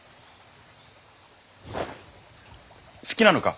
好きなのか？